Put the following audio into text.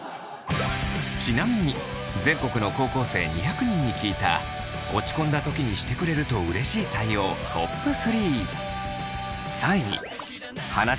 ちなみに全国の高校生２００人に聞いた落ち込んだ時にしてくれるとうれしい対応トップ３。